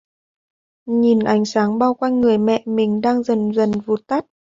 Nhìn ánh sáng bao quanh người mẹ mình đang dần dần vụt tắt